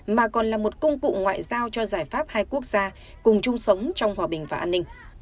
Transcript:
mà còn là một công cụ ngoại giao cho giải pháp hai quốc gia cùng chung sống trong hòa bình và an ninh